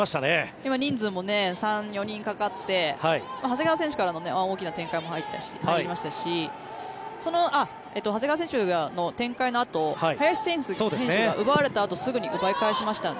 今、人数も３４人かかって長谷川選手からの大きな展開もありましたし長谷川選手の展開のあと林選手が奪われたあとすぐに奪い返しましたね。